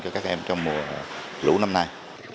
cho các em trong mùa lũ năm nay